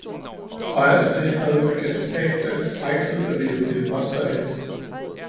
Og alt det havde agent fab den frækhed at ville bilde moster ind